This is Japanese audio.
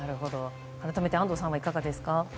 改めて、安藤さんはいかがですか？